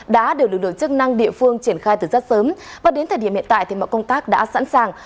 đã được lực lượng chức năng địa phương triển khai từ rất sớm và đến thời điểm hiện tại thì mọi công tác đã sẵn sàng